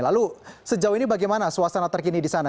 lalu sejauh ini bagaimana suasana terkini di sana